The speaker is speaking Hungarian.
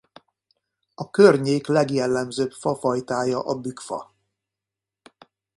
A környék legjellemzőbb fa fajtája a bükkfa.